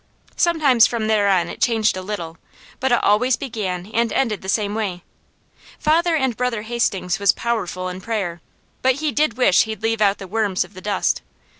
Sometimes from there on it changed a little, but it always began and ended exactly the same way. Father said Brother Hastings was powerful in prayer, but he did wish he'd leave out the "worms of the dust."